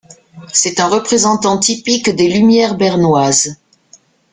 C'est un représentant typique des lumières bernoises.